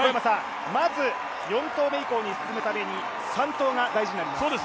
まず４投目以降に進むために３投が大事になります。